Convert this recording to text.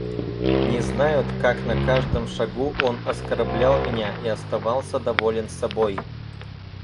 Не знают, как на каждом шагу он оскорблял меня и оставался доволен собой.